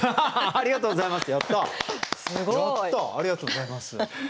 ありがとうございます。